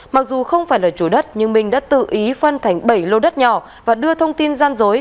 mặc dù không phải là chủ đất nhưng minh đã tự ý phân thành bảy lô đất nhỏ và đưa thông tin gian dối